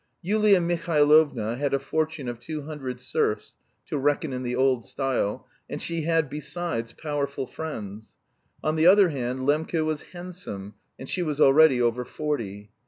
Yulia Mihailovna had a fortune of two hundred serfs, to reckon in the old style, and she had besides powerful friends. On the other hand Lembke was handsome, and she was already over forty.